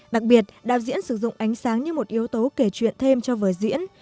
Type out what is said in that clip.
đặc biệt đạo diễn sử dụng ánh sáng như một yếu tố kể chuyện thêm cho vở diễn